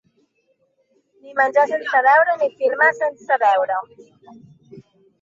Ni menjar sense beure, ni firmar sense veure.